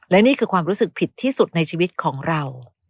และนี่คือความรู้สึกผิดที่สุดในชีวิตของเรา